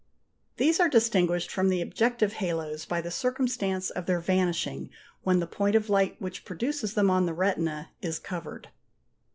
These are distinguished from the objective halos by the circumstance of their vanishing when the point of light which produces them on the retina is covered.